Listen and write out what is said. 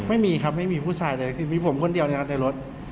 ไม่มีครับไม่มีผู้ชายมีผมคนเดียวอยู่ในรถ